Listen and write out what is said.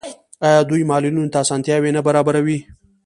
آیا دوی معلولینو ته اسانتیاوې نه برابروي؟